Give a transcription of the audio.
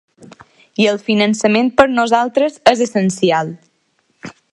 I el finançament per nosaltres és essencial.